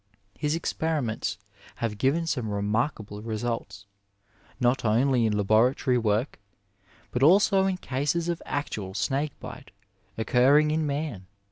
Hb experiments have given some remarkable results, not only in laboratory work, but also in cases of actual snake bite occurring in man.